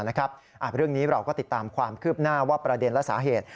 เรื่องนี้เราก็ติดตามความคืบหน้าว่าประเด็นและสาเหตุ